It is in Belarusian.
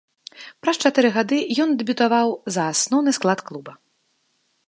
Праз чатыры гады ён дэбютаваў за асноўны склад клуба.